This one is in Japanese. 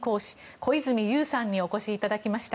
小泉悠さんにお越しいただきました。